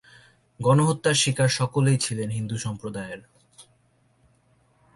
গণহত্যার শিকার সকলেই ছিলেন হিন্দু সম্প্রদায়ের।